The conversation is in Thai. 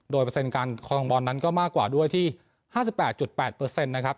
โดยเปอร์เซ็นต์การคอลังบอลนั้นก็มากกว่าด้วยที่ห้าสิบแปดจุดแปดเปอร์เซ็นต์นะครับ